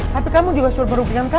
tapi kamu juga suruh merugikan kafe